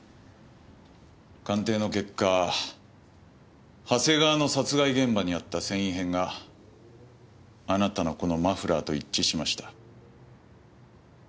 鑑定の結果長谷川の殺害現場にあった繊維片があなたのこのマフラーと一致しました。